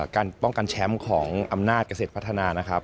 การป้องกันแชมป์ของอำนาจเกษตรพัฒนานะครับ